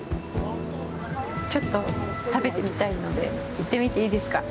ちょっと食べてみたいので行ってみていいですか。